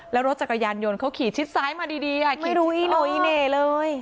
แล้วรถจักรยานยนต์เขาขี่ชิดซ้ายมาดีไม่รู้อีโน่อีเหน่เลย